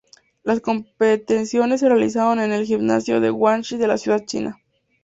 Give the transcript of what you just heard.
Las competiciones se realizaron en el Gimnasio de Guangxi de la ciudad china.